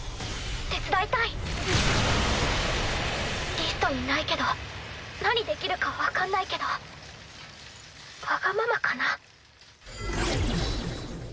リストにないけど何できるか分かんないけどわがままかな？